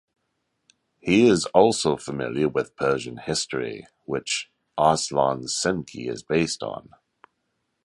He is also familiar with Persian history, which "Arslan Senki" is based on.